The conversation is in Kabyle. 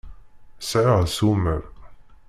Sεiɣ asumer.